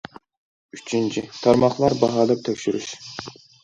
ئۈچىنچى، تارماقلار باھالاپ تەكشۈرۈش.